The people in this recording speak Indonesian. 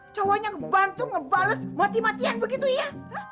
cowoknya ngebantu ngebales mati matian begitu ya